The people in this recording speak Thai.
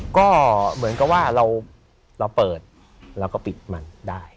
ก็เหมือนกับว่าเราเปิดเราก็ปิดมันได้